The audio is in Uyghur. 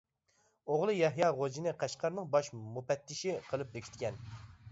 ئوغلى يەھيا خوجىنى قەشقەرنىڭ باش مۇپەتتىشى قىلىپ بېكىتكەن.